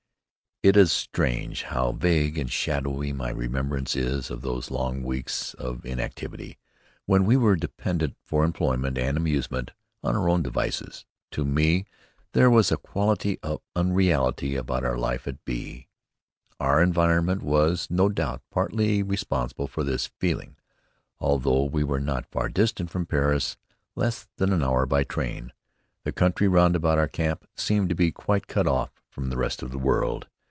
It is strange how vague and shadowy my remembrance is of those long weeks of inactivity, when we were dependent for employment and amusement on our own devices. To me there was a quality of unreality about our life at B . Our environment was, no doubt, partly responsible for this feeling. Although we were not far distant from Paris, less than an hour by train, the country round about our camp seemed to be quite cut off from the rest of the world.